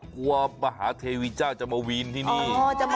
มหาเทวีเจ้าจะมาวีนที่นี่